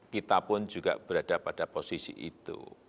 kita pun juga berada pada posisi itu